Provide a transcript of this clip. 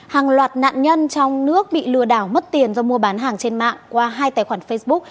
hàng loạt nạn nhân trong nước bị lừa đảo mất tiền do mua bán hàng trên mạng qua hai tài khoản facebook